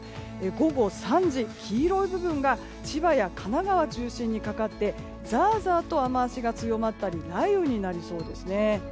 午後３時、黄色い部分が千葉や神奈川中心にかかってザーザーと雨脚が強まったり雷雨になりそうですね。